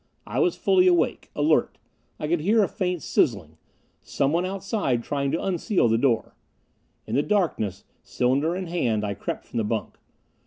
I was fully awake. Alert. I could hear a faint sizzling someone outside trying to unseal the door. In the darkness, cylinder in hand, I crept from the bunk.